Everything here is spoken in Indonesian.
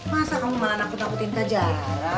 masa kamu malah nangkut nangkutin kak zara